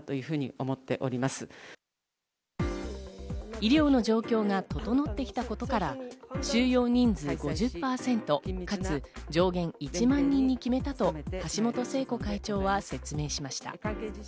医療の状況が整ってきたことから収容人数５０％、かつ上限１万人に決めたと、橋本聖子会長は説明しました。